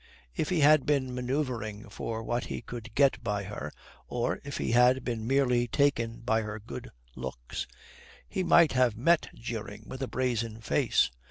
If he had been manoeuvring for what he could get by her, or if he had been merely taken by her good looks, he might have met jeering with a brazen face.